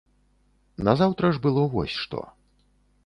Назаўтра ж было вось што.